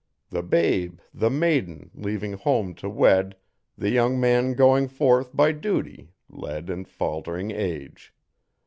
The babe, the maiden, leaving home to wed The young man going forth by duty led And faltering age.